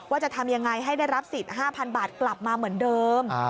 ว่าจะทำยังไงให้ได้รับสิทธิ์๕๐๐๐บาทกลับมาเหมือนเดิม